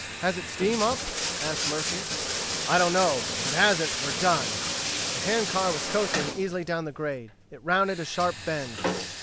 "Has it steam up?" asked Murphy. "I don't know. If it hasn't, we're done." The hand car was coasting easily down the grade; it rounded a sharp bend.